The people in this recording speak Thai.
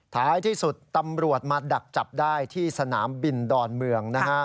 ท้ายที่สุดตำรวจมาดักจับได้ที่สนามบินดอนเมือง